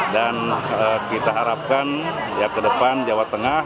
dan kita harapkan ke depan jawa tengah